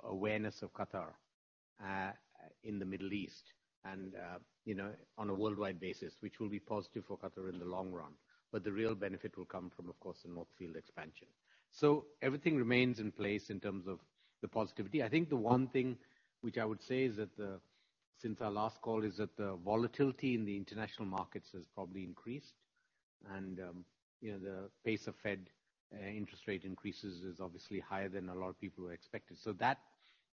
Through awareness of Qatar, in the Middle East and, you know, on a worldwide basis, which will be positive for Qatar in the long run. The real benefit will come from, of course, the North Field Expansion. Everything remains in place in terms of the positivity. I think the one thing which I would say is that, since our last call, the volatility in the international markets has probably increased. You know, the pace of Fed interest rate increases is obviously higher than a lot of people expected. That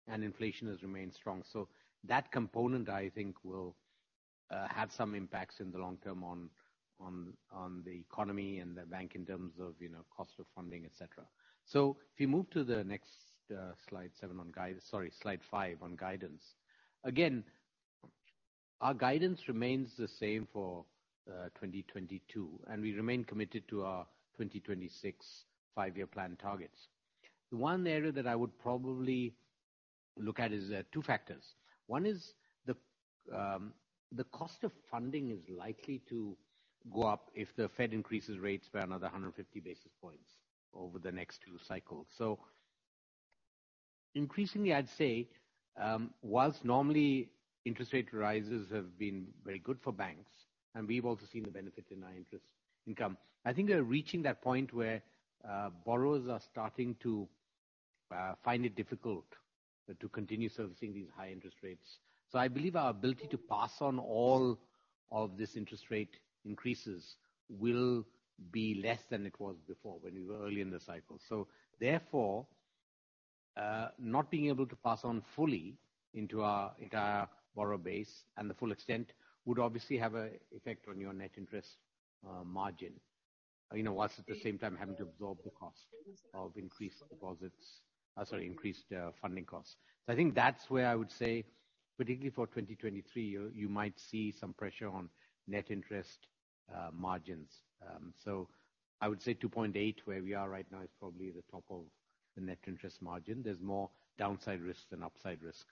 and inflation has remained strong. That component, I think, will have some impacts in the long term on the economy and the bank in terms of, you know, cost of funding, etc. If you move to the next slide 7 on guidance. Sorry, slide five on guidance. Again, our guidance remains the same for 2022, and we remain committed to our 2026 five-year plan targets. The one area that I would probably look at is two factors. One is the cost of funding is likely to go up if the Fed increases rates by another 150 basis points over the next two cycles. Increasingly, I'd say, while normally interest rate rises have been very good for banks, and we've also seen the benefit in our interest income. I think we are reaching that point where borrowers are starting to find it difficult to continue servicing these high interest rates. I believe our ability to pass on all of this interest rate increases will be less than it was before, when we were early in the cycle. Therefore, not being able to pass on fully into our entire borrower base and the full extent would obviously have an effect on your net interest margin. You know, while at the same time having to absorb the cost of increased funding costs. I think that's where I would say, particularly for 2023, you might see some pressure on net interest margins. I would say 2.8%, where we are right now, is probably the top of the net interest margin. There's more downside risks than upside risk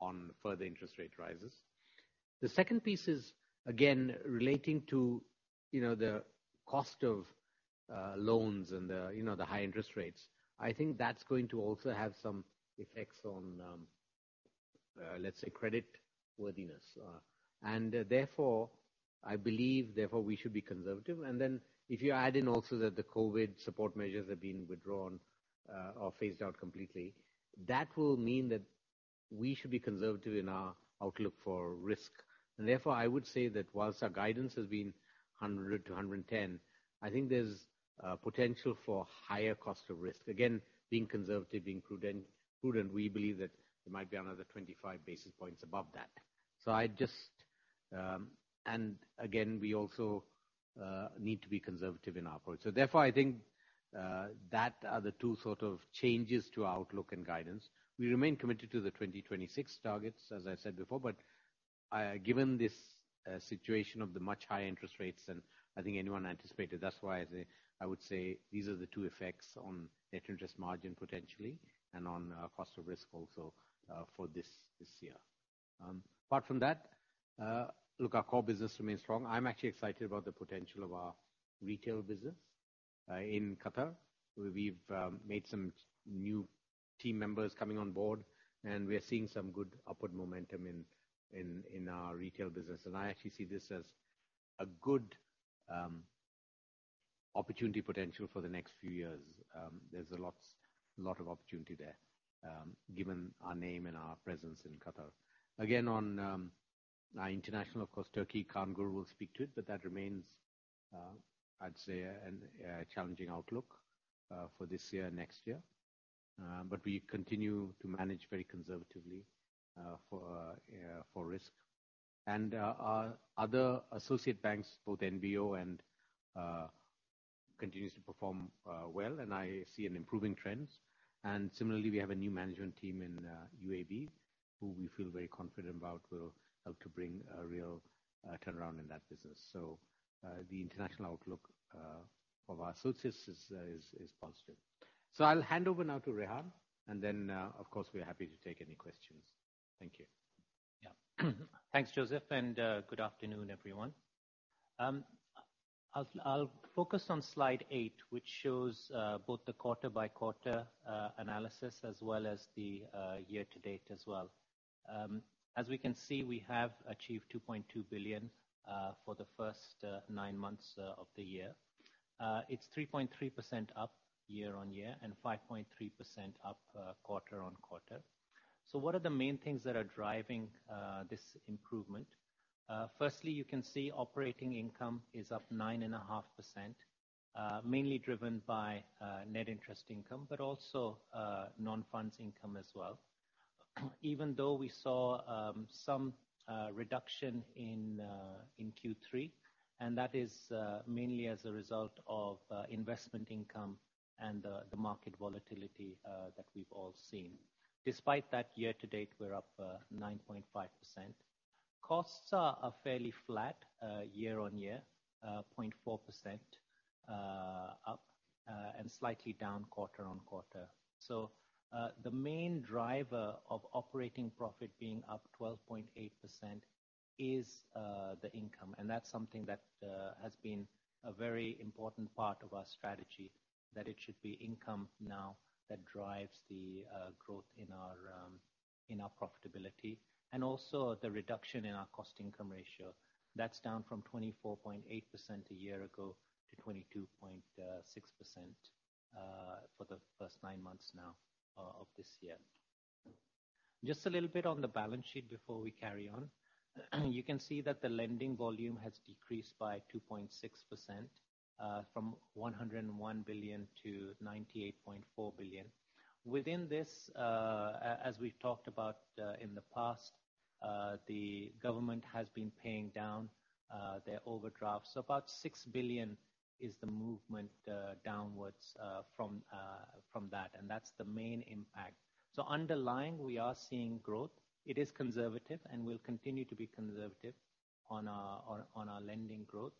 on further interest rate rises. The second piece is, again, relating to, you know, the cost of loans and, you know, the high interest rates. I think that's going to also have some effects on, let's say, creditworthiness. Therefore, I believe we should be conservative. If you add in also that the COVID support measures have been withdrawn, or phased out completely, that will mean that we should be conservative in our outlook for risk. Therefore, I would say that while our guidance has been 100-110, I think there's a potential for higher cost of risk. Again, being conservative, being prudent, we believe that there might be another 25 basis points above that. Again, we also need to be conservative in our approach. Therefore, I think there are the two sort of changes to our outlook and guidance. We remain committed to the 2026 targets, as I said before, but given this situation of the much higher interest rates than I think anyone anticipated, that's why I say, I would say these are the two effects on net interest margin, potentially, and on cost of risk also, for this year. Apart from that, look, our core business remains strong. I'm actually excited about the potential of our retail business in Qatar. We've made some new team members coming on board, and we are seeing some good upward momentum in our retail business. I actually see this as a good opportunity potential for the next few years. There's a lot of opportunity there, given our name and our presence in Qatar. Again, our international, of course, Turkey, Kaan Gür will speak to it, but that remains, I'd say a challenging outlook for this year, next year. We continue to manage very conservatively for risk. Our other associate banks, both NBO and UAB, continue to perform well, and I see an improving trends. Similarly, we have a new management team in UAB, who we feel very confident about will help to bring a real turnaround in that business. The international outlook of our associates is positive. I'll hand over now to Rehan, and then, of course, we're happy to take any questions. Thank you. Yeah. Thanks, Joseph, and good afternoon, everyone. I'll focus on slide eight, which shows both the quarter-by-quarter analysis as well as the year-to-date as well. As we can see, we have achieved 2.2 billion for the first nine months of the year. It's 3.3% up year-on-year and 5.3% up quarter-on-quarter. What are the main things that are driving this improvement? Firstly, you can see operating income is up 9.5%, mainly driven by net interest income, but also non-funds income as well. Even though we saw some reduction in Q3, and that is mainly as a result of investment income and the market volatility that we've all seen. Despite that, year-to-date we're up 9.5%. Costs are fairly flat year-on-year 0.4% up and slightly down quarter-on-quarter. The main driver of operating profit being up 12.8% is the income. That's something that has been a very important part of our strategy, that it should be income now that drives the growth in our profitability. The reduction in our cost to income ratio. That's down from 24.8% a year ago to 22.6% for the first nine months now of this year. Just a little bit on the balance sheet before we carry on. You can see that the lending volume has decreased by 2.6% from 101 billion to 98.4 billion. Within this, as we've talked about in the past, the government has been paying down their overdraft. About 6 billion is the movement downwards from that. That's the main impact. Underlying, we are seeing growth. It is conservative, and will continue to be conservative on our lending growth.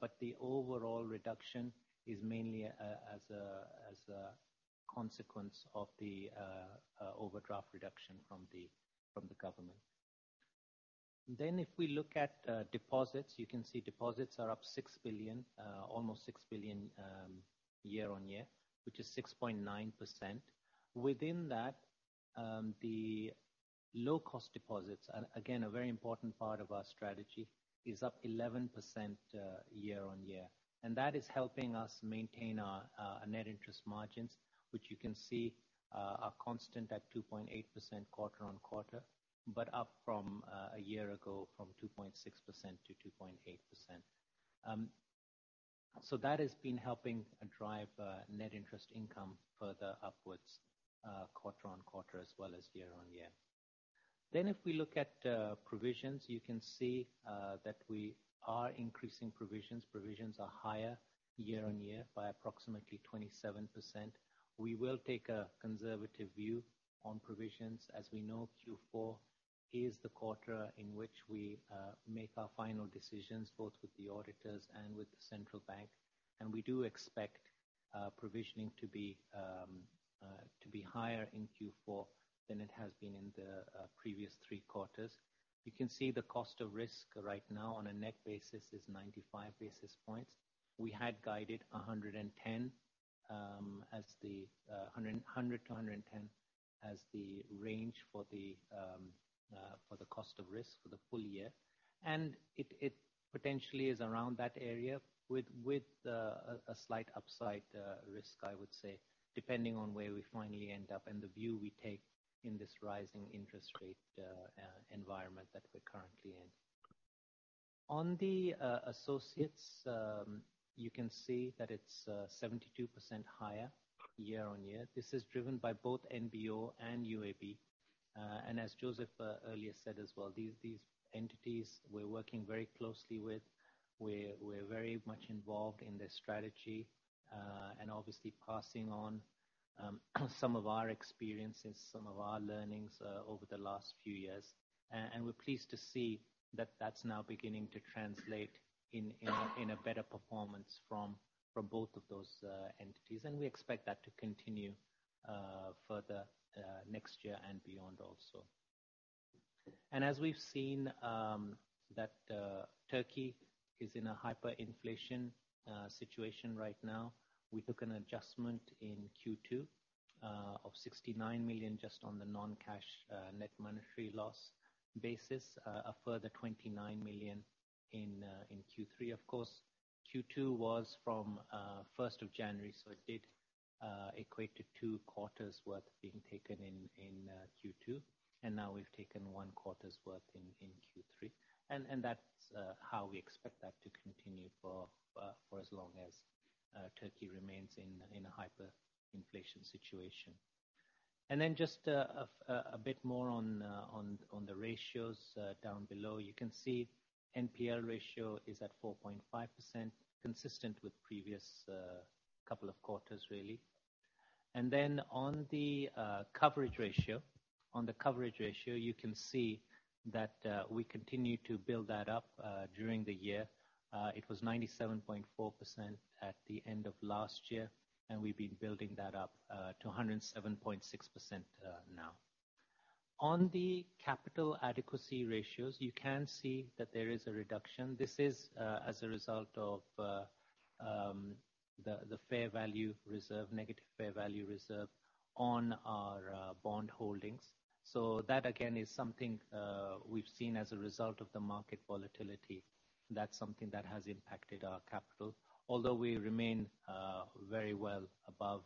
But the overall reduction is mainly as a consequence of the overdraft reduction from the government. If we look at deposits, you can see deposits are up almost 6 billion year-on-year, which is 6.9%. Within that, the low-cost deposits, and again, a very important part of our strategy, is up 11% year-on-year. That is helping us maintain our net interest margins, which you can see are constant at 2.8% quarter-on-quarter, but up from a year ago from 2.6% to 2.8%. That has been helping drive net interest income further upwards quarter-on-quarter as well as year-on-year. If we look at provisions, you can see that we are increasing provisions. Provisions are higher year-on-year by approximately 27%. We will take a conservative view on provisions. As we know, Q4 is the quarter in which we make our final decisions, both with the auditors and with the central bank. We do expect provisioning to be higher in Q4 than it has been in the previous three quarters. You can see the cost of risk right now on a net basis is 95 basis points. We had guided 110 as the 100-110 as the range for the cost of risk for the full year. It potentially is around that area with a slight upside risk I would say, depending on where we finally end up and the view we take in this rising interest rate environment that we're currently in. On the associates, you can see that it's 72% higher year-on-year. This is driven by both NBO and UAB. As Joseph earlier said as well, these entities we're working very closely with. We're very much involved in their strategy, and obviously passing on some of our experiences, some of our learnings over the last few years. We're pleased to see that that's now beginning to translate into a better performance from both of those entities. We expect that to continue further next year and beyond also. As we've seen, Turkey is in a hyperinflation situation right now. We took an adjustment in Q2 of 69 million just on the non-cash net monetary loss basis, a further 29 million in Q3. Of course, Q2 was from first of January, so it did equate to two quarters worth being taken in Q2. Now we've taken one quarter's worth in Q3. That's how we expect that to continue for as long as Turkey remains in a hyperinflation situation. Then just a bit more on the ratios. Down below, you can see NPL ratio is at 4.5%, consistent with previous couple of quarters really. Then on the coverage ratio. On the coverage ratio, you can see that we continue to build that up during the year. It was 97.4% at the end of last year, and we've been building that up to 107.6% now. On the capital adequacy ratios, you can see that there is a reduction. This is as a result of the fair value reserve, negative fair value reserve on our bond holdings. That, again, is something we've seen as a result of the market volatility. That's something that has impacted our capital. Although we remain very well above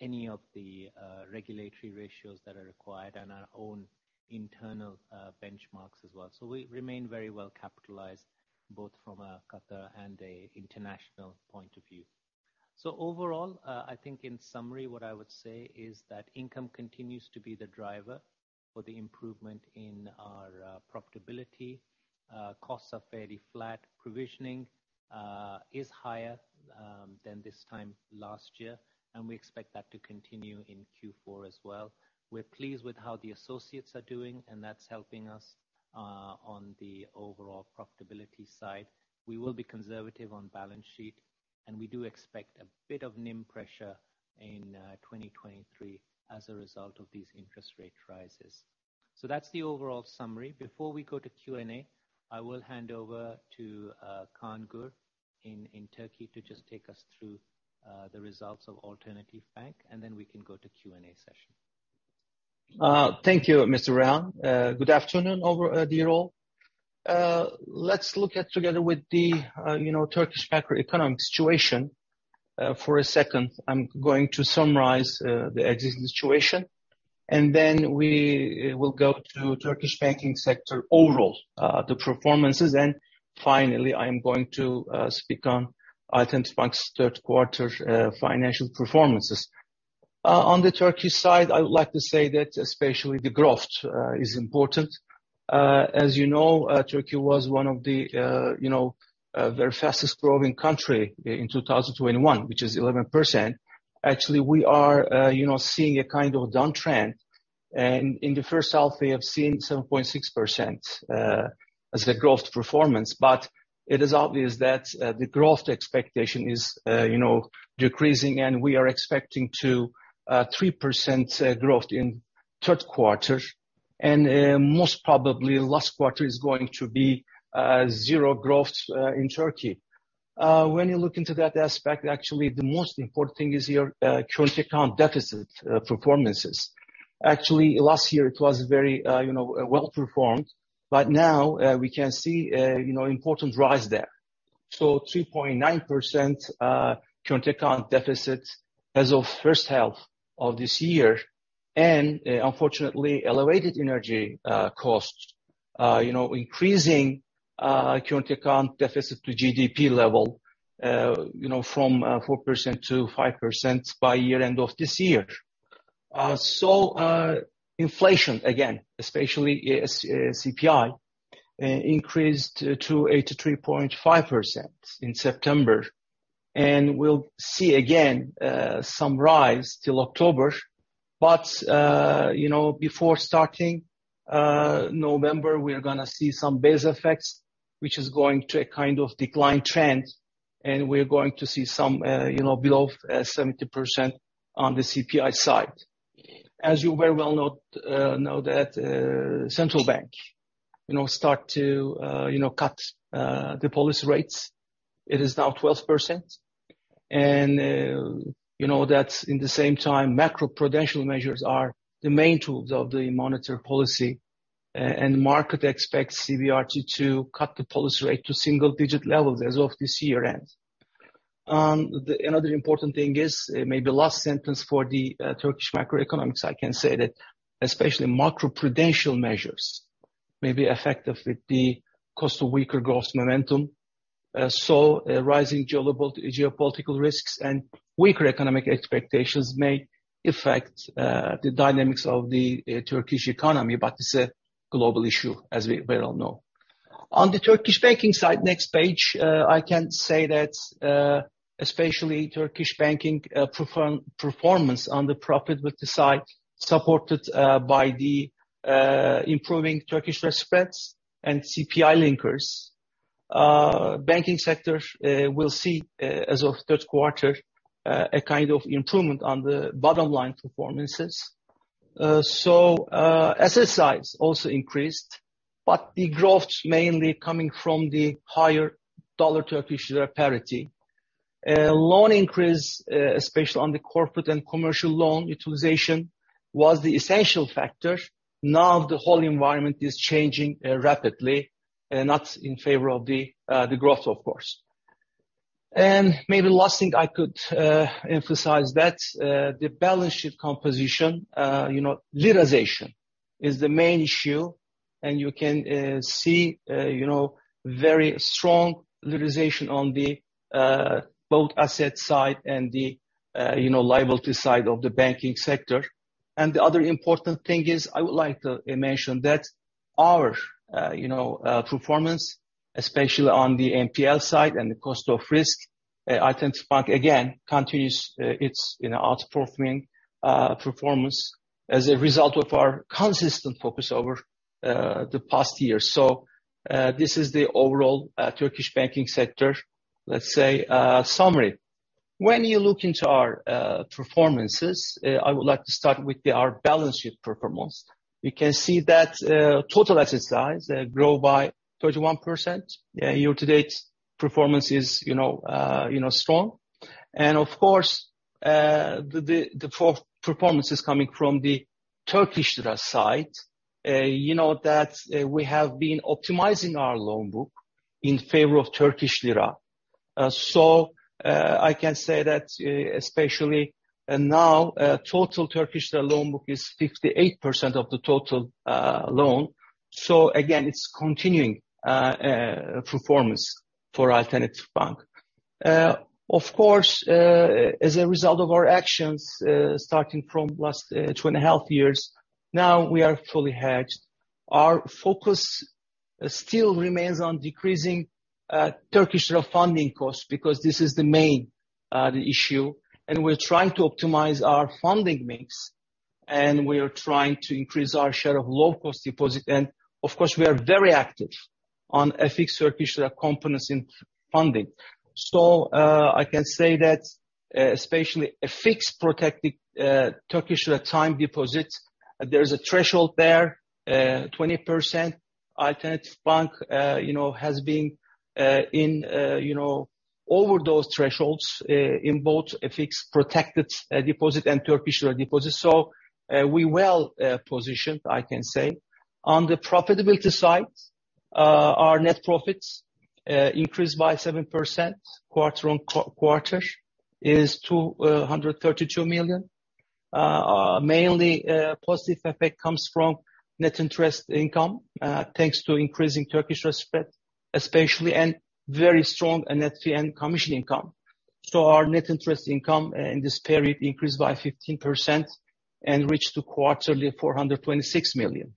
any of the regulatory ratios that are required and our own internal benchmarks as well. We remain very well capitalized both from a Qatar and a international point of view. Overall, I think in summary, what I would say is that income continues to be the driver for the improvement in our profitability. Costs are fairly flat. Provisioning is higher than this time last year, and we expect that to continue in Q4 as well. We're pleased with how the associates are doing, and that's helping us on the overall profitability side. We will be conservative on balance sheet. We do expect a bit of NIM pressure in 2023 as a result of these interest rate rises. That's the overall summary. Before we go to Q&A, I will hand over to Kaan Gür in Turkey to just take us through the results of Alternatif Bank, and then we can go to Q&A session. Thank you, Mr. Rao. Good afternoon, everyone, dear all. Let's look at together with the Turkish macroeconomic situation for a second. I'm going to summarize the existing situation, and then we will go to Turkish banking sector overall, the performances. Finally, I am going to speak on Alternatif Bank's third quarter financial performances. On the Turkey side, I would like to say that especially the growth is important. As you know, Turkey was one of the very fastest growing country in 2021, which is 11%. Actually, we are seeing a kind of downtrend. In the first half, we have seen 7.6% as a growth performance. It is obvious that the growth expectation is, you know, decreasing, and we are expecting 3% growth in third quarter. Most probably last quarter is going to be 0% growth in Turkey. When you look into that aspect, actually, the most important thing is your current account deficit performances. Actually, last year it was very, you know, well performed, but now we can see, you know, important rise there. So 3.9% current account deficit as of first half of this year. Unfortunately, elevated energy costs, you know, increasing current account deficit to GDP level, you know, from 4%-5% by year end of this year. Inflation, again, especially CPI, increased to 83.5% in September, and we'll see again some rise till October. You know, before starting November, we're gonna see some base effects, which is going to a kind of decline trend, and we're going to see some you know below 70% on the CPI side. As you very well know that central bank you know start to cut the policy rates. It is now 12%. You know that in the same time, macroprudential measures are the main tools of the monetary policy. Market expects CBRT to cut the policy rate to single digit levels as of this year end. Another important thing is, maybe last sentence for the Turkish macroeconomics, I can say that especially macroprudential measures may be effective with the cost of weaker growth momentum. Rising geopolitical risks and weaker economic expectations may affect the dynamics of the Turkish economy, but it's a global issue, as we all well know. On the Turkish banking side, next page, I can say that especially Turkish banking performance on the profitability side supported by the improving Turkish risk spreads and CPI linkers. Banking sector will see, as of third quarter, a kind of improvement on the bottom line performances. Asset size also increased, but the growth mainly coming from the higher dollar Turkish lira parity. Loan increase, especially on the corporate and commercial loan utilization, was the essential factor. Now the whole environment is changing rapidly, not in favor of the growth, of course. Maybe last thing I could emphasize that the balance sheet composition, you know, Liraization is the main issue. You can see, you know, very strong Liraization on both asset side and the, you know, liability side of the banking sector. The other important thing is I would like to mention that our, you know, performance, especially on the NPL side and the cost of risk, Alternatif Bank again continues its, you know, outperforming performance as a result of our consistent focus over the past year. This is the overall Turkish banking sector, let's say, summary. When you look into our performances, I would like to start with our balance sheet performance. We can see that total asset size grow by 31%. Year-to-date performance is, you know, strong. Of course, the performance is coming from the Turkish lira side. You know that we have been optimizing our loan book in favor of Turkish lira. I can say that especially now total Turkish lira loan book is 58% of the total loan. Again, it's continuing performance for Alternatif Bank. Of course, as a result of our actions starting from last two and a half years, now we are fully hedged. Our focus still remains on decreasing Turkish lira funding costs, because this is the main issue. We're trying to optimize our funding mix. We are trying to increase our share of low cost deposit. Of course, we are very active on FX Turkish lira components in funding. I can say that, especially FX-protected Turkish lira time deposits, there's a threshold there, 20%. Alternatif Bank, you know, has been, you know, over those thresholds in both a FX-protected deposit and Turkish lira deposits. We well positioned, I can say. On the profitability side, our net profits increased by 7% quarter-on-quarter to TRY 232 million. Mainly, positive effect comes from net interest income, thanks to increasing Turkish risk spread, especially, and very strong net fee and commission income. Our net interest income in this period increased by 15% and reached 426 million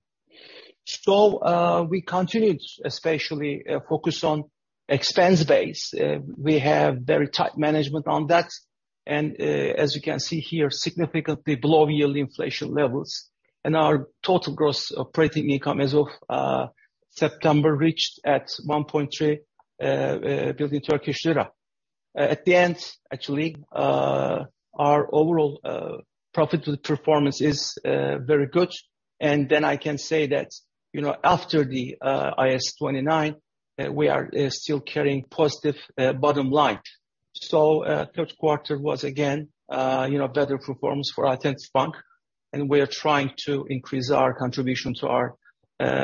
quarterly. We continued especially focus on expense base. We have very tight management on that. As you can see here, significantly below yearly inflation levels. Our total gross operating income as of September reached 1.3 billion Turkish lira. At the end, actually, our overall profitability performance is very good. Then I can say that, you know, after the IAS 29, we are still carrying positive bottom line. Third quarter was again, you know, better performance for Alternatif Bank, and we are trying to increase our contribution to our,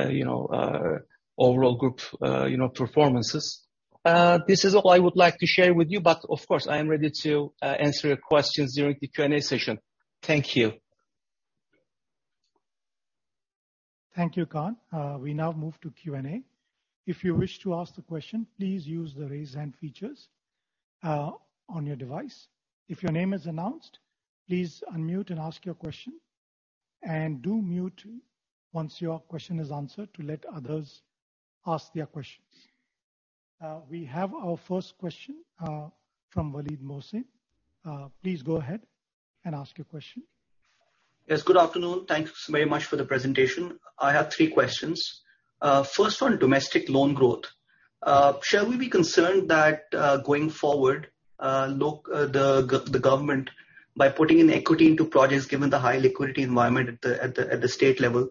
you know, overall group, you know, performances. This is all I would like to share with you, but of course, I am ready to answer your questions during the Q&A session. Thank you. Thank you, Kaan. We now move to Q&A. If you wish to ask the question, please use the raise hand features on your device. If your name is announced, please unmute and ask your question. Do mute once your question is answered to let others ask their questions. We have our first question from Waleed Mohsin. Please go ahead and ask your question. Yes. Good afternoon. Thanks very much for the presentation. I have three questions. First one, domestic loan growth. Shall we be concerned that, going forward, the government, by putting an equity into projects, given the high liquidity environment at the state level,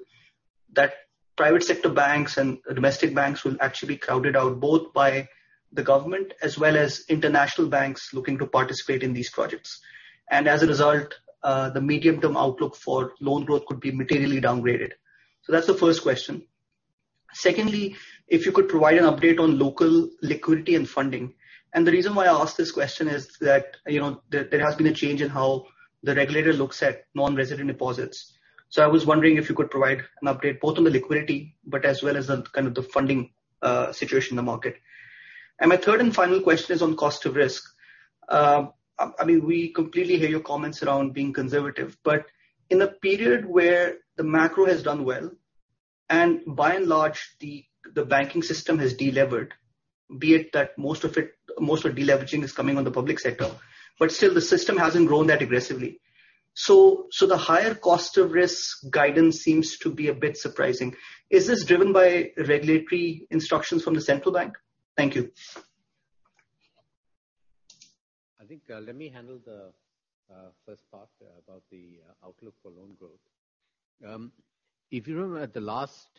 that private sector banks and domestic banks will actually be crowded out both by the government as well as international banks looking to participate in these projects. As a result, the medium-term outlook for loan growth could be materially downgraded. That's the first question. Secondly, if you could provide an update on local liquidity and funding. The reason why I ask this question is that, you know, there has been a change in how the regulator looks at non-resident deposits. I was wondering if you could provide an update both on the liquidity, but as well as the kind of the funding situation in the market. My third and final question is on cost of risk. I mean, we completely hear your comments around being conservative, but in a period where the macro has done well, and by and large, the banking system has delevered, be it that most of the deleveraging is coming on the public sector, but still the system hasn't grown that aggressively. The higher cost of risk guidance seems to be a bit surprising. Is this driven by regulatory instructions from the central bank? Thank you. I think, let me handle the first part about the outlook for loan growth. If you remember at the last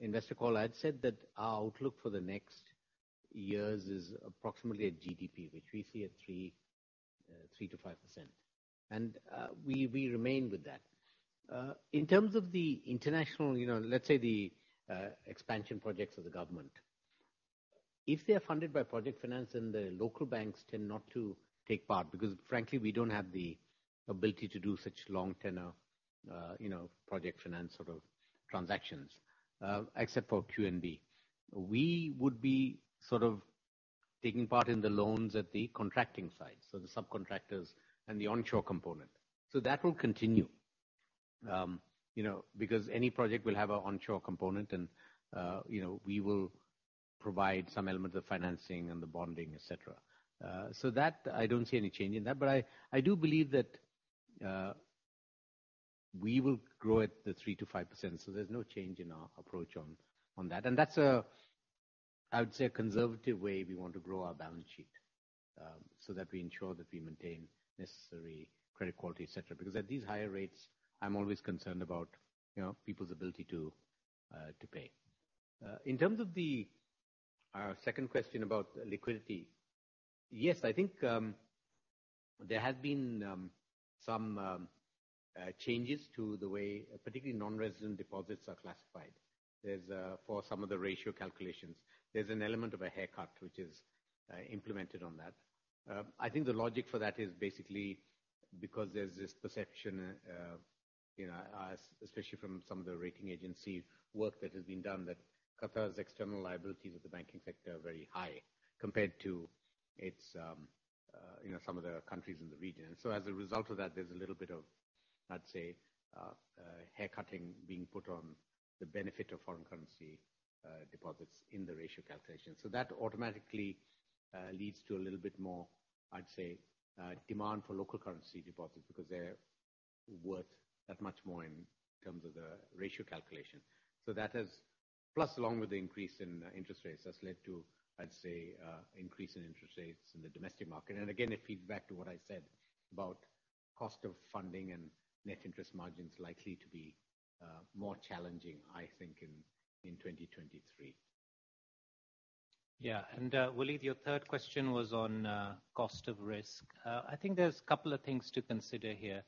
investor call, I'd said that our outlook for the next years is approximately at GDP, which we see at 3%-5%. We remain with that. In terms of the international, you know, let's say the expansion projects of the government. If they are funded by project finance and the local banks tend not to take part, because frankly, we don't have the ability to do such long tenor, you know, project finance sort of transactions, except for QNB. We would be sort of taking part in the loans at the contracting side, so the subcontractors and the onshore component. That will continue, you know, because any project will have an onshore component and, you know, we will provide some element of financing and the bonding, et cetera. That I don't see any change in that. I do believe that we will grow at 3%-5%, so there's no change in our approach on that. That's a, I would say, a conservative way we want to grow our balance sheet, so that we ensure that we maintain necessary credit quality, et cetera. Because at these higher rates, I'm always concerned about, you know, people's ability to pay. In terms of the second question about liquidity, yes, I think there have been some changes to the way particularly non-resident deposits are classified. There's for some of the ratio calculations, there's an element of a haircut which is implemented on that. I think the logic for that is basically because there's this perception, especially from some of the rating agency work that has been done, that Qatar's external liabilities of the banking sector are very high compared to its some other countries in the region. As a result of that, there's a little bit of, let's say. Haircut being put on the benefit of foreign currency deposits in the ratio calculation. That automatically leads to a little bit more, I'd say, demand for local currency deposits, because they're worth that much more in terms of the ratio calculation. That has plus along with the increase in interest rates, that's led to, I'd say, increase in interest rates in the domestic market. It feeds back to what I said about cost of funding and net interest margins likely to be more challenging, I think, in 2023. Yeah. Walid, your third question was on cost of risk. I think there's a couple of things to consider here.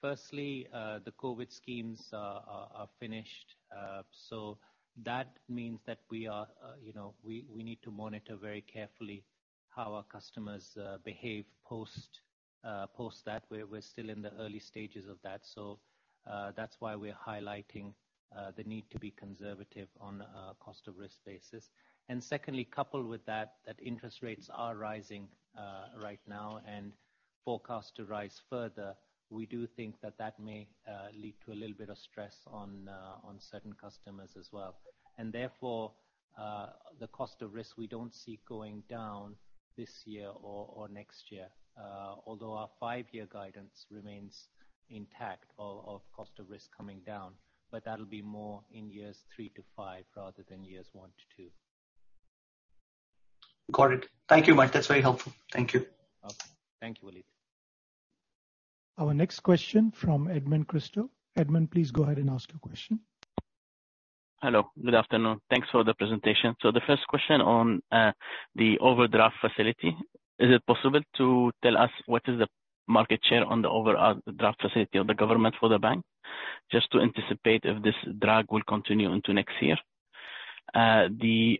Firstly, the COVID schemes are finished, so that means that we are, you know, we need to monitor very carefully how our customers behave post that. We're still in the early stages of that. That's why we're highlighting the need to be conservative on a cost of risk basis. Secondly, coupled with that, interest rates are rising right now and forecast to rise further. We do think that may lead to a little bit of stress on certain customers as well. Therefore, the cost of risk, we don't see going down this year or next year. Although our five-year guidance remains intact of cost of risk coming down, but that'll be more in years three to five rather than years one to two. Got it. Thank you, Mike. That's very helpful. Thank you. Okay. Thank you, Waleed. Our next question from Edmond Christou. Edmond, please go ahead and ask your question. Hello, good afternoon. Thanks for the presentation. The first question on the overdraft facility. Is it possible to tell us what is the market share on the overall overdraft facility of the government for the bank? Just to anticipate if this overdraft will continue into next year. The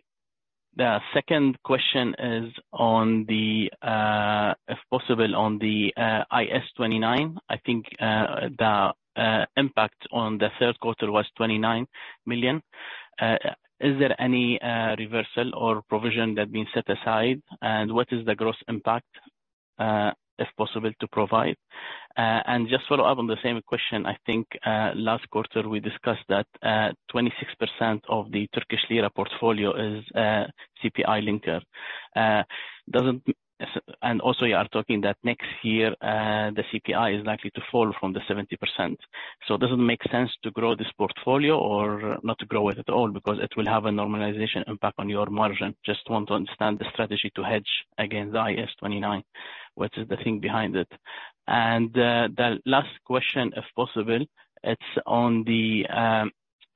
second question is, if possible, on the IAS 29. I think the impact on the third quarter was 29 million. Is there any reversal or provision that has been set aside? And what is the gross impact, if possible to provide? And just follow up on the same question, I think last quarter, we discussed that 26% of the Turkish lira portfolio is CPI linker. Doesn't You are talking that next year, the CPI is likely to fall from the 70%. Does it make sense to grow this portfolio or not to grow it at all? Because it will have a normalization impact on your margin. Just want to understand the strategy to hedge against the IAS 29. What is the thing behind it? The last question, if possible, it's on the.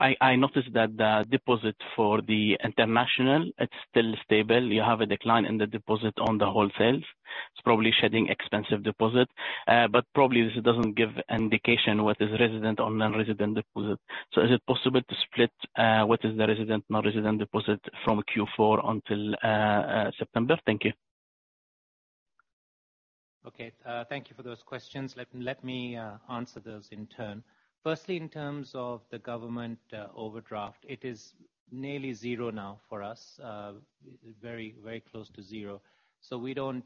I noticed that the deposit for the international, it's still stable. You have a decline in the deposit on the wholesales. It's probably shedding expensive deposit. But probably this doesn't give indication what is resident or non-resident deposit. Is it possible to split what is the resident, non-resident deposit from Q4 until September? Thank you. Okay, thank you for those questions. Let me answer those in turn. Firstly, in terms of the government overdraft, it is nearly zero now for us. Very, very close to zero. We don't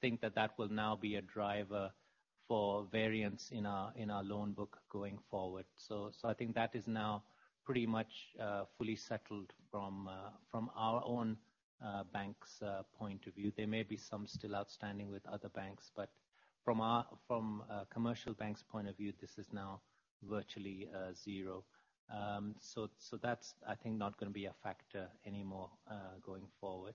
think that will now be a driver for variance in our loan book going forward. I think that is now pretty much fully settled from our own bank's point of view. There may be some still outstanding with other banks, but from The Commercial Bank's point of view, this is now virtually zero. That's, I think, not gonna be a factor anymore going forward.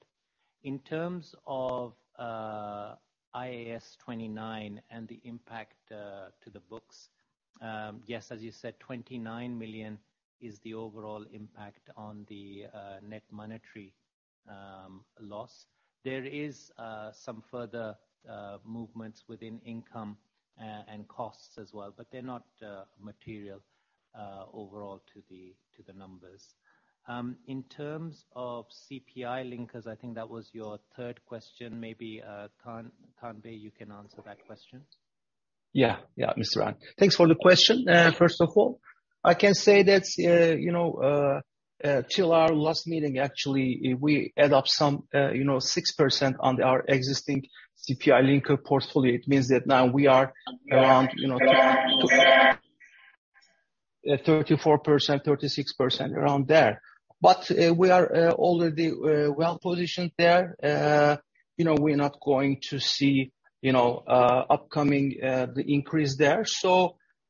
In terms of IAS 29 and the impact to the books, yes, as you said, 29 million is the overall impact on the net monetary loss. There is some further movements within income and costs as well, but they're not material overall to the numbers. In terms of CPI linkers, I think that was your third question, maybe Kaan Gur, you can answer that question. Yeah. Yeah, Mr. Rehan. Thanks for the question. First of all, I can say that, you know, till our last meeting, actually, we add up some, you know, 6% on our existing CPI linker portfolio. It means that now we are around, you know, 34%-36%, around there. We are already well-positioned there. You know, we're not going to see upcoming the increase there.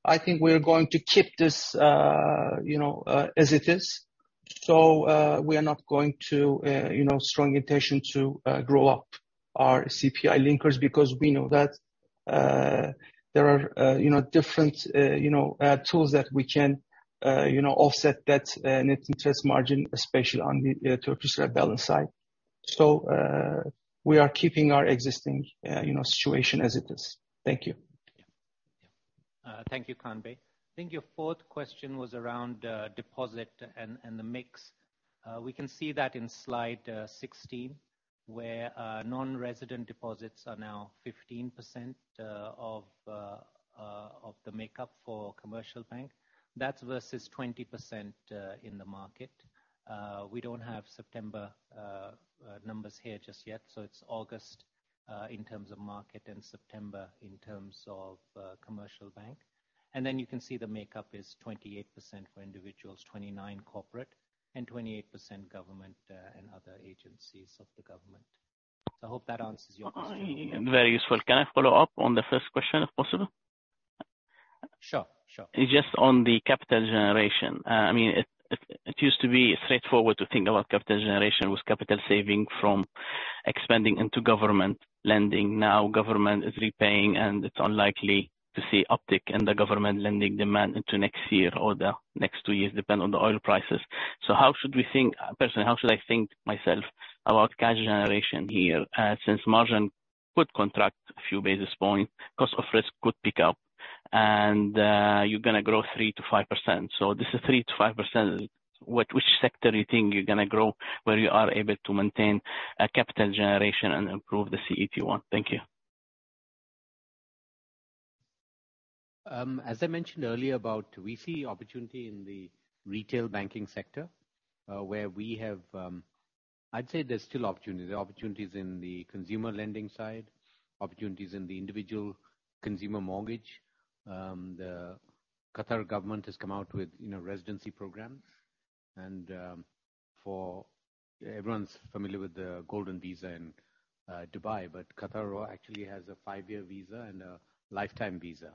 I think we're going to keep this, you know, as it is. We are not going to, you know, strong intention to grow our CPI linkers because we know that there are you know different you know tools that we can you know offset that net interest margin, especially on the Turkish lira balances side. We are keeping our existing you know situation as it is. Thank you. Yeah. Thank you, Kaan. I think your fourth question was around deposit and the mix. We can see that in slide 16, where non-resident deposits are now 15% of the makeup for The Commercial Bank. That's versus 20% in the market. We don't have September numbers here just yet, so it's August. In terms of market in September, in terms of The Commercial Bank. Then you can see the makeup is 28% for individuals, 29 corporate and 28% government, and other agencies of the government. I hope that answers your question. Very useful. Can I follow up on the first question, if possible? Sure, sure. Just on the capital generation. I mean, it used to be straightforward to think about capital generation with capital saving from expanding into government lending. Now government is repaying, and it's unlikely to see uptick in the government lending demand into next year or the next two years, depending on the oil prices. How should we think, personally, how should I think myself about cash generation here, since margin could contract a few basis points, cost of risk could pick up and, you're gonna grow 3%-5%? This is 3%-5%. What, which sector you think you're gonna grow, where you are able to maintain, capital generation and improve the CET1? Thank you. As I mentioned earlier about we see opportunity in the retail banking sector, where we have, I'd say there's still opportunity. There are opportunities in the consumer lending side, opportunities in the individual consumer mortgage. The Qatar government has come out with, you know, residency programs and everyone's familiar with the Golden Visa in Dubai. But Qatar actually has a five-year visa and a lifetime visa,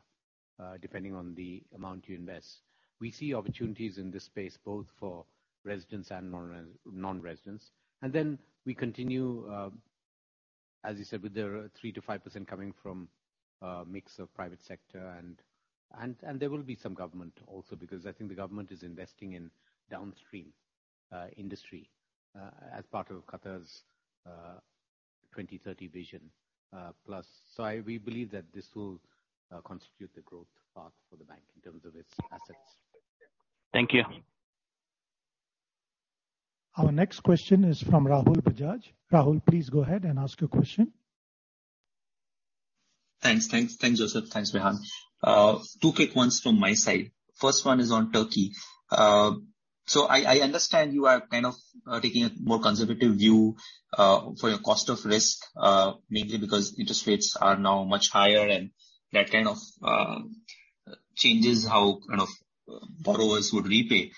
depending on the amount you invest. We see opportunities in this space both for residents and non-residents. Then we continue, as you said, with the 3%-5% coming from a mix of private sector and there will be some government also, because I think the government is investing in downstream industry, as part of Qatar National Vision 2030, plus. We believe that this will constitute the growth path for the bank in terms of its assets. Thank you. Our next question is from Rahul Bajaj. Rahul, please go ahead and ask your question. Thanks. Thanks, Joseph. Thanks, Rehan. Two quick ones from my side. First one is on Turkey. So I understand you are kind of taking a more conservative view for your cost of risk, mainly because interest rates are now much higher and that kind of changes how kind of borrowers would repay.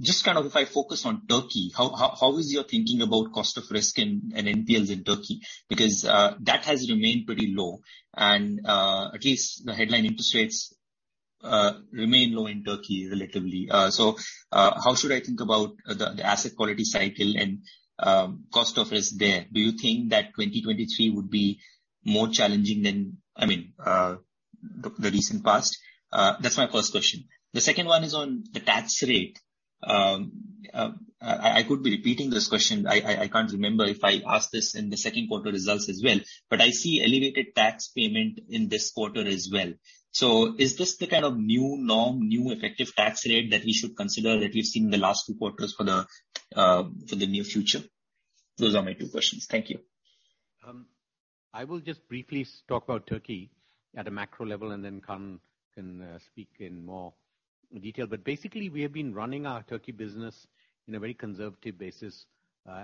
Just kind of if I focus on Turkey, how is your thinking about cost of risk and NPLs in Turkey? Because that has remained pretty low and at least the headline interest rates remain low in Turkey relatively. So how should I think about the asset quality cycle and cost of risk there? Do you think that 2023 would be more challenging than, I mean, the recent past? That's my first question. The second one is on the tax rate. I could be repeating this question. I can't remember if I asked this in the second quarter results as well, but I see elevated tax payment in this quarter as well. Is this the kind of new norm, new effective tax rate that we should consider that we've seen the last two quarters for the near future? Those are my two questions. Thank you. I will just briefly talk about Turkey at a macro level, and then Kaan can speak in more detail. Basically, we have been running our Turkey business in a very conservative basis,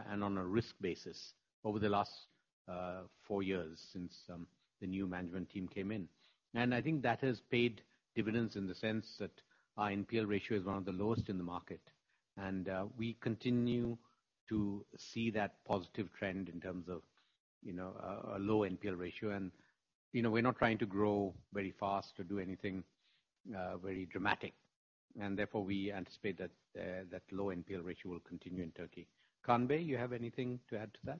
and on a risk basis over the last four years since the new management team came in. I think that has paid dividends in the sense that our NPL ratio is one of the lowest in the market. We continue to see that positive trend in terms of, you know, a low NPL ratio. You know, we're not trying to grow very fast or do anything very dramatic, and therefore we anticipate that low NPL ratio will continue in Turkey. Kaan, you have anything to add to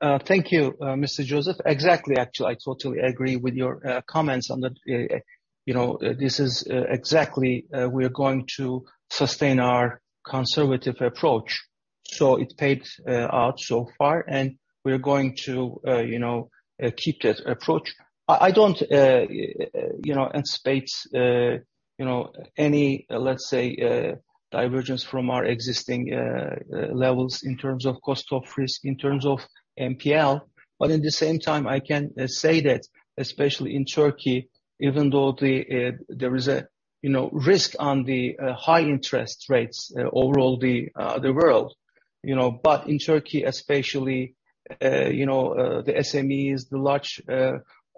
that? Thank you, Mr. Joseph. Exactly. Actually, I totally agree with your comments on that. You know, this is exactly we are going to sustain our conservative approach. It paid out so far, and we are going to keep that approach. I don't, you know, anticipate, you know, any, let's say, divergence from our existing levels in terms of cost of risk, in terms of NPL. At the same time, I can say that especially in Turkey, even though there is a, you know, risk on the high interest rates overall the world. You know, in Turkey especially, you know, the SMEs, the large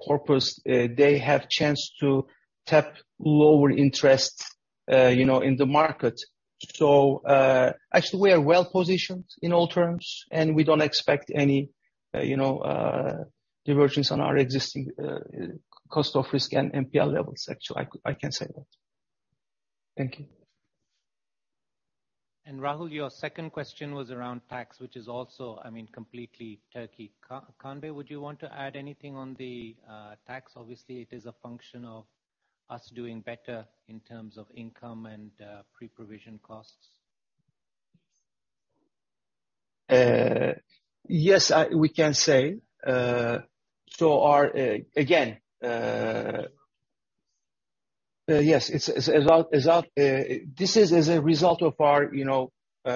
corporates, they have chance to tap lower interest, you know, in the market. Actually, we are well-positioned in all terms, and we don't expect any, you know, divergence on our existing cost of risk and NPL levels. Actually, I can say that. Thank you. Rahul, your second question was around tax, which is also, I mean, completely Turkey. Kaan, would you want to add anything on the tax? Obviously, it is a function of us doing better in terms of income and pre-provision costs. Yes, we can say. Again, yes, this is as a result of our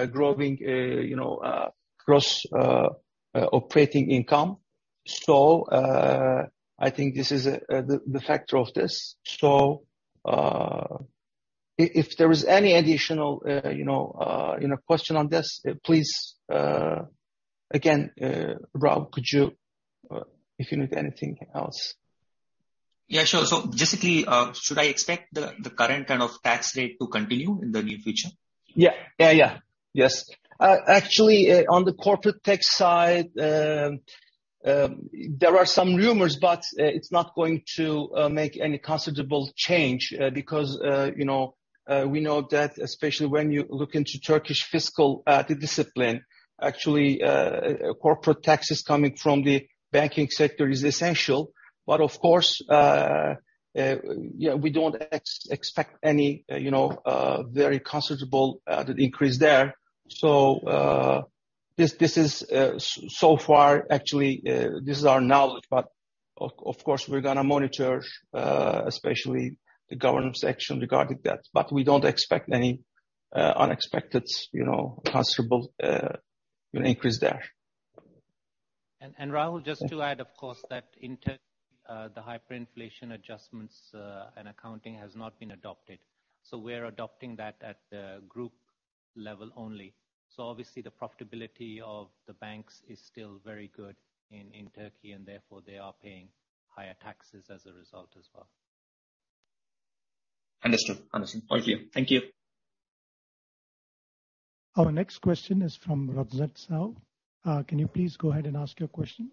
growing, you know, core operating income. I think this is the factor of this. If there is any additional, you know, question on this, please, again, Rahul, could you if you need anything else. Yeah, sure. Basically, should I expect the current kind of tax rate to continue in the near future? Yes. Actually, on the corporate tax side, there are some rumors, but it's not going to make any considerable change because you know we know that especially when you look into Turkish fiscal discipline actually corporate taxes coming from the banking sector is essential. Of course, yeah, we don't expect any you know very considerable increase there. This is, so far, actually this is our knowledge, but of course we're gonna monitor especially the government's action regarding that. We don't expect any unexpected you know considerable increase there. Rahul, just to add, of course, that in Turkey, the hyperinflation adjustments and accounting has not been adopted, so we're adopting that at the group level only. Obviously the profitability of the banks is still very good in Turkey, and therefore they are paying higher taxes as a result as well. Understood. Thank you. Our next question is from Raghed Srouji. Can you please go ahead and ask your question?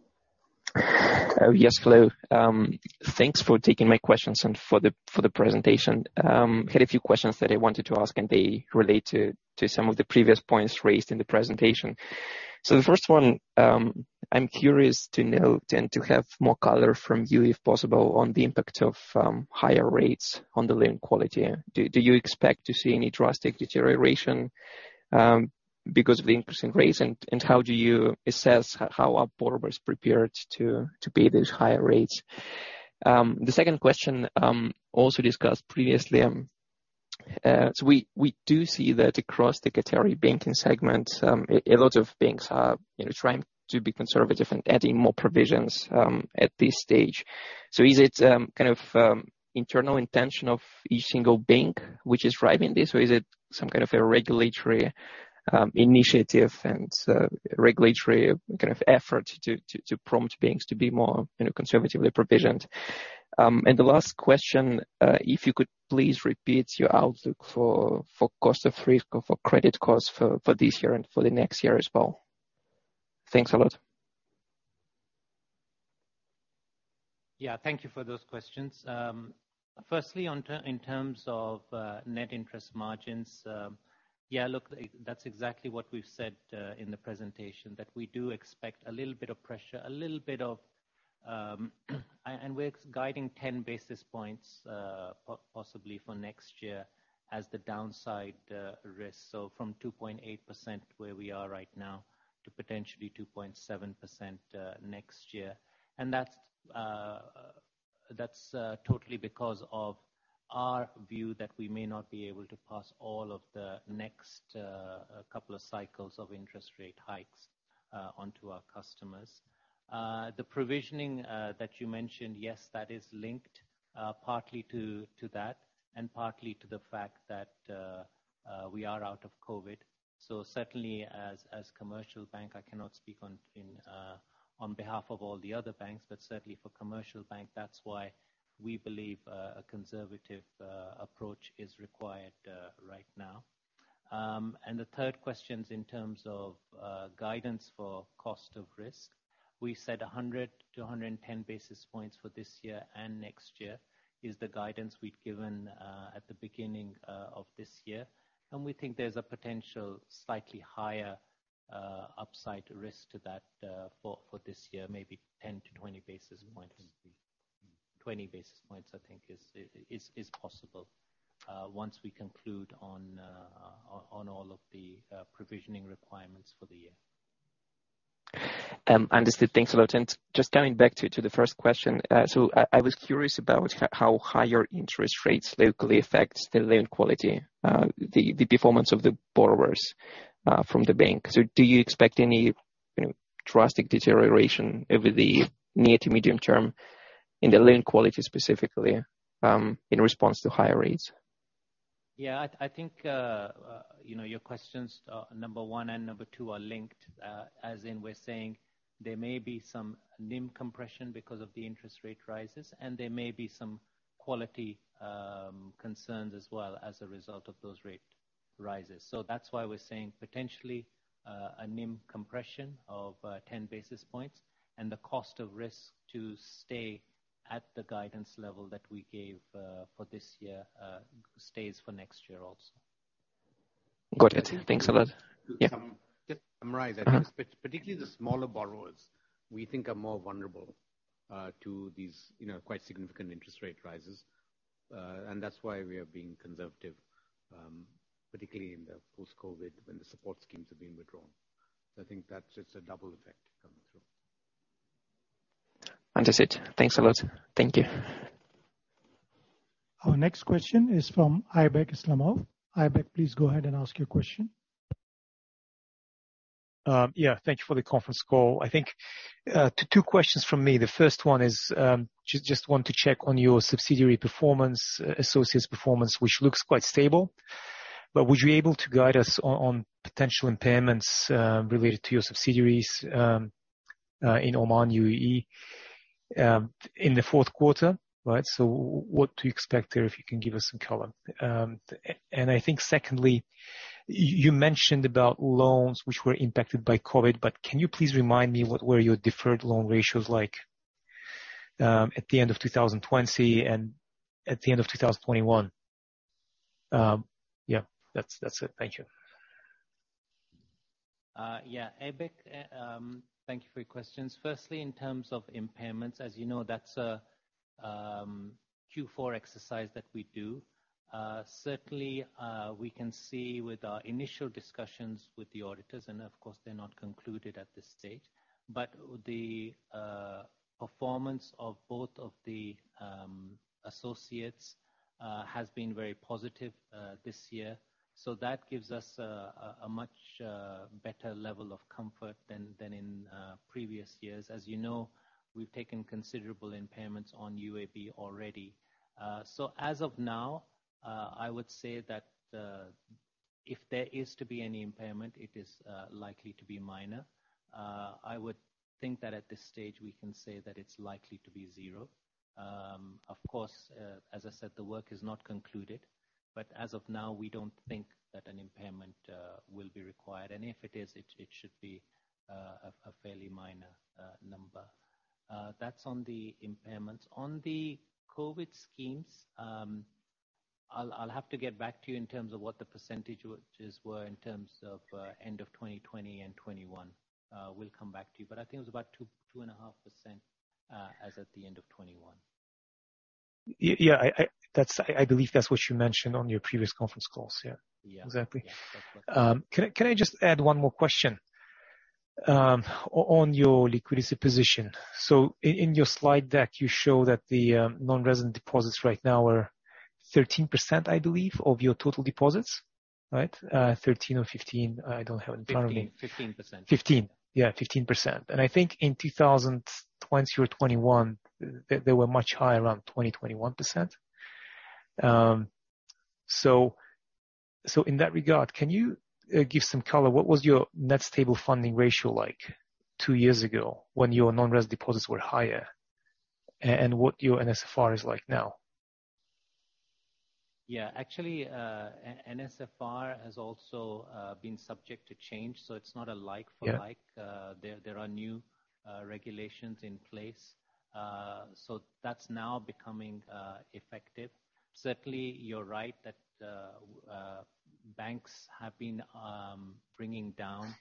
Yes. Hello. Thanks for taking my questions and for the presentation. Had a few questions that I wanted to ask, and they relate to some of the previous points raised in the presentation. The first one, I'm curious to know and to have more color from you, if possible, on the impact of higher rates on the loan quality. Do you expect to see any drastic deterioration because of the increase in rates and how do you assess how are borrowers prepared to pay those higher rates? The second question, also discussed previously. We do see that across the Qatari banking segment, a lot of banks are, you know, trying to be conservative and adding more provisions at this stage. Is it kind of internal intention of each single bank which is driving this? Or is it some kind of a regulatory initiative and regulatory kind of effort to prompt banks to be more, you know, conservatively provisioned? And the last question, if you could please repeat your outlook for cost of risk or for credit costs for this year and for the next year as well. Thanks a lot. Yeah. Thank you for those questions. Firstly, in terms of net interest margins, yeah, look, that's exactly what we've said in the presentation, that we do expect a little bit of pressure. We're guiding ten basis points, possibly for next year as the downside risk. From 2.8%, where we are right now, to potentially 2.7% next year. That's totally because of our view that we may not be able to pass all of the next couple of cycles of interest rate hikes onto our customers. The provisioning that you mentioned, yes, that is linked partly to that and partly to the fact that we are out of COVID. Certainly as The Commercial Bank, I cannot speak on behalf of all the other banks, but certainly for The Commercial Bank, that's why we believe a conservative approach is required right now. The third question's in terms of guidance for cost of risk. We said 100-110 basis points for this year and next year, is the guidance we'd given at the beginning of this year. We think there's a potential slightly higher upside risk to that for this year, maybe 10-20 basis points. 20 basis points, I think is possible once we conclude on all of the provisioning requirements for the year. Understood. Thanks a lot. Just coming back to the first question. I was curious about how higher interest rates locally affects the loan quality, the performance of the borrowers from the bank. Do you expect any, you know, drastic deterioration over the near to medium term in the loan quality specifically, in response to higher rates? Yeah. I think, you know, your questions number one and number two are linked. As in we're saying there may be some NIM compression because of the interest rate rises, and there may be some quality concerns as well as a result of those rate rises. That's why we're saying potentially a NIM compression of 10 basis points and the cost of risk to stay at the guidance level that we gave for this year, stays for next year also. Got it. Thanks a lot. Yeah. Just to summarize, I think, particularly the smaller borrowers, we think are more vulnerable to these, you know, quite significant interest rate rises. That's why we are being conservative, particularly in the post-COVID when the support schemes are being withdrawn. I think that's just a double effect coming through. Understood. Thanks a lot. Thank you. Our next question is from Aybek Islamov. Aybek, please go ahead and ask your question. Yeah, thank you for the conference call. I think two questions from me. The first one is just want to check on your subsidiary performance, associates performance, which looks quite stable. Would you be able to guide us on potential impairments related to your subsidiaries in Oman, UAE in the fourth quarter? Right. So what to expect there, if you can give us some color. I think secondly, you mentioned about loans which were impacted by COVID, but can you please remind me what were your deferred loan ratios like at the end of 2020 and at the end of 2021? Yeah, that's it. Thank you. Aybek, thank you for your questions. Firstly, in terms of impairments, as you know, that's a Q4 exercise that we do. Certainly, we can see with our initial discussions with the auditors, and of course, they're not concluded at this stage. The performance of both of the associates has been very positive this year. That gives us a much better level of comfort than in previous years. As you know, we've taken considerable impairments on UAB already. As of now, I would say that if there is to be any impairment, it is likely to be minor. I would think that at this stage we can say that it's likely to be zero. Of course, as I said, the work is not concluded. As of now, we don't think that an impairment will be required. If it is, it should be a fairly minor number. That's on the impairments. On the COVID schemes, I'll have to get back to you in terms of what the percentages were in terms of end of 2020 and 2021. We'll come back to you. I think it was about 2.5% as at the end of 2021. Yeah. I believe that's what you mentioned on your previous conference calls. Yeah. Yeah. Exactly. Can I just add one more question on your liquidity position. In your slide deck, you show that the non-resident deposits right now are 13%, I believe, of your total deposits, right? 13 or 15, I don't have it in front of me. 15. 15%. 15%. Yeah, 15%. I think in 2020 or 2021, they were much higher, around 20-21%. So in that regard, can you give some color, what was your net stable funding ratio like two years ago when your non-res deposits were higher, and what your NSFR is like now? Yeah. Actually, NSFR has also been subject to change, so it's not a like for like. Yeah. There are new regulations in place. So that's now becoming effective. Certainly, you're right that banks have been bringing down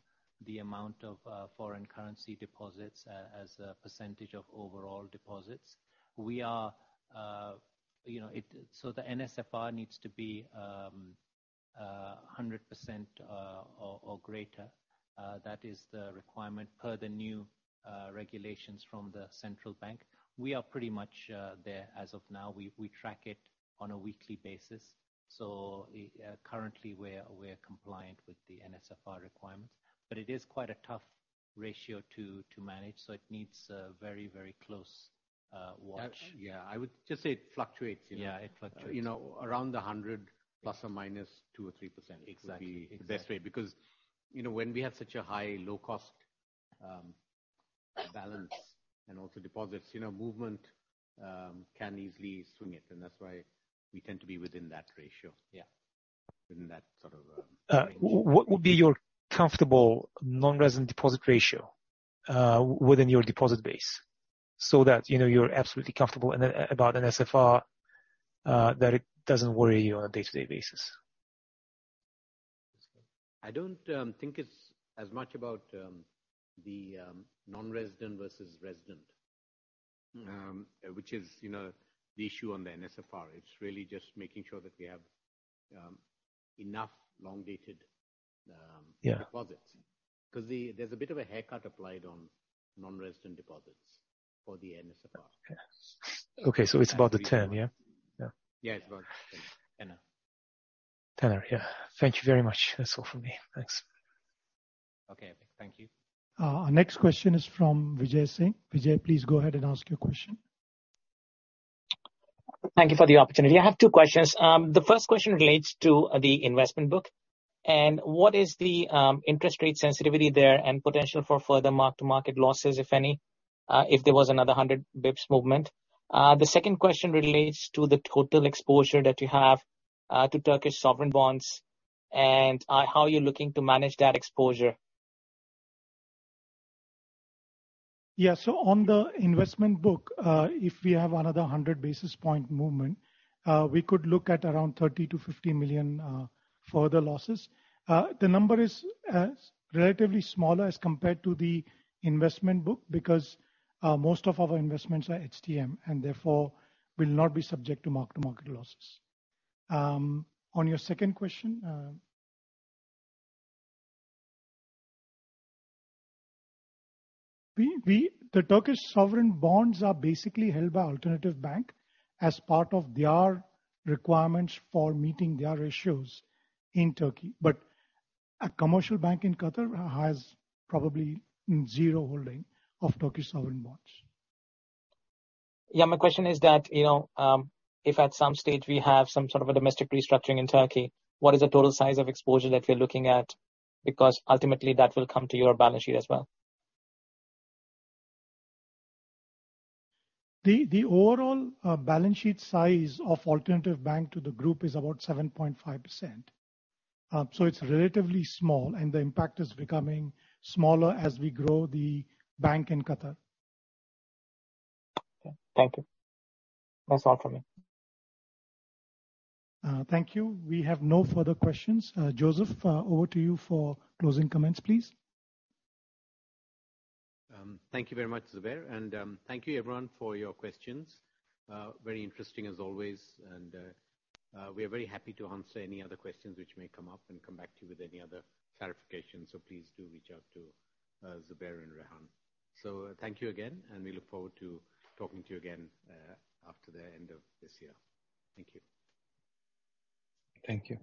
the amount of foreign currency deposits as a percentage of overall deposits. We are, you know, the NSFR needs to be 100% or greater. That is the requirement per the new regulations from the central bank. We are pretty much there as of now. We track it on a weekly basis. Currently, we're compliant with the NSFR requirements. It is quite a tough ratio to manage, so it needs a very close watch. Yeah, I would just say it fluctuates, you know. Yeah, it fluctuates. You know, around 100 plus or minus 2 or 3%. Exactly. Would be the best way. Because, you know, when we have such a high low-cost balance and also deposits, you know, movement can easily swing it, and that's why we tend to be within that ratio. Yeah. Within that sort of range. What would be your comfortable non-resident deposit ratio within your deposit base so that, you know, you're absolutely comfortable and then about NSFR that it doesn't worry you on a day-to-day basis? I don't think it's as much about the non-resident versus resident. Mm-hmm. which is, you know, the issue on the NSFR. It's really just making sure that we have enough long-dated, Yeah. deposits. 'Cause there's a bit of a haircut applied on non-resident deposits for the NSFR. Okay. It's about the 10, yeah? Yeah. Yeah, it's about 10. 10, yeah. 10, yeah. Thank you very much. That's all from me. Thanks. Okay. Thank you. Our next question is from Vijay Singh. Vijay, please go ahead and ask your question. Thank you for the opportunity. I have two questions. The first question relates to the investment book, and what is the interest rate sensitivity there and potential for further mark-to-market losses, if any, if there was another 100 basis points movement? The second question relates to the total exposure that you have to Turkish sovereign bonds, and how you're looking to manage that exposure. Yeah. On the investment book, if we have another 100 basis point movement, we could look at around 30 million-50 million further losses. The number is relatively smaller as compared to the investment book because most of our investments are HTM and therefore will not be subject to mark to market losses. On your second question, the Turkish sovereign bonds are basically held by Alternatif Bank as part of their requirements for meeting their ratios in Turkey. A commercial bank in Qatar has probably zero holding of Turkish sovereign bonds. Yeah. My question is that, you know, if at some stage we have some sort of a domestic restructuring in Turkey, what is the total size of exposure that we're looking at? Because ultimately that will come to your balance sheet as well. The overall balance sheet size of Alternatif Bank to the group is about 7.5%. It's relatively small, and the impact is becoming smaller as we grow the bank in Qatar. Okay. Thank you. That's all for me. Thank you. We have no further questions. Joseph, over to you for closing comments, please. Thank you very much, Zubair. Thank you everyone for your questions. Very interesting as always, and we are very happy to answer any other questions which may come up and come back to you with any other clarifications. Please do reach out to Zubair and Rehan. Thank you again, and we look forward to talking to you again after the end of this year. Thank you. Thank you.